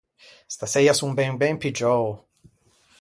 Staseia son ben ben piggiou!